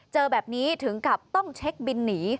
เจอแบบนี้ถึงกับต้องเช็คบินหนี